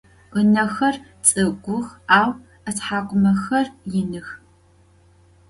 Inexer ts'ık'ux au ıthak'umexer yinıx.